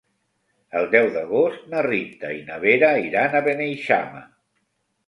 El deu d'agost na Rita i na Vera iran a Beneixama.